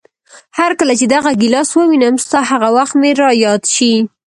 هرکله چې دغه ګیلاس ووینم، ستا هغه وخت مې را یاد شي.